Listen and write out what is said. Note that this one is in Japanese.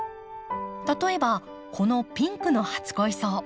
例えばこのピンクの初恋草。